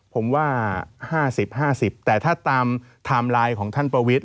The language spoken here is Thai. ผมว่า๕๐๕๐แต่ถ้าตามไทม์ไลน์ของท่านประวิทย